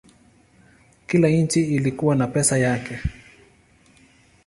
Kila nchi ilikuwa na pesa yake.